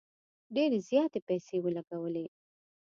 ډیري زیاتي پیسې ولګولې.